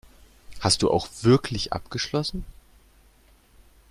Hast du auch wirklich abgeschlossen?